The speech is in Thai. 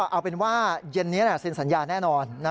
เอาเป็นว่าเย็นนี้เซ็นสัญญาแน่นอน